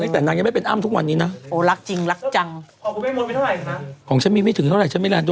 สัญญาว่าปีนี้จะตีกันให้น้อยลง